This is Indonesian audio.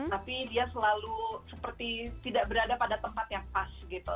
tapi dia selalu seperti tidak berada pada tempat yang pas gitu